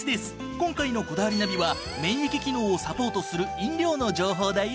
今回の『こだわりナビ』は免疫機能をサポートする飲料の情報だよ。